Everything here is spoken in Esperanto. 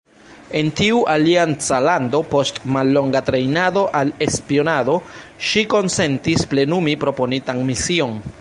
En tiu alianca lando, post mallonga trejnado al spionado, ŝi konsentis plenumi proponitan mision.